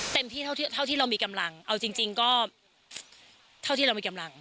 ที่เท่าที่เรามีกำลังเอาจริงก็เท่าที่เรามีกำลัง